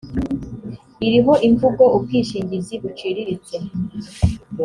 iriho imvugo ubwishingizi buciriritse